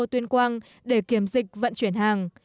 tuyên quang để kiểm dịch vận chuyển hàng